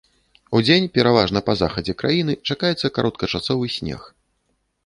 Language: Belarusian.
Удзень пераважна па захадзе краіны чакаецца кароткачасовы снег.